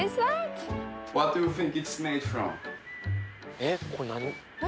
えっこれ何？